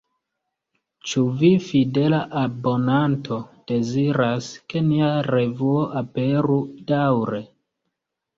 Ĉu vi, fidela abonanto, deziras, ke nia revuo aperu daŭre?